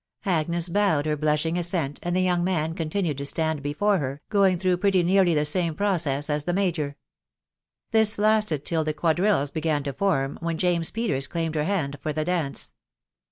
Agnes bowed her blushing assent, and the young man eon. tinued to stand before her, going through pretty nearly the same process as the major. This lasted till the quadrilles began to form, when James Peters claimed her hand for the dance.